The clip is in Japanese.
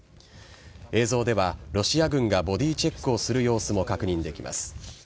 映像では、ロシア軍がボディーチェックをする様子も確認できます。